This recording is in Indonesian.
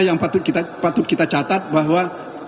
yang patut kita catat bahwa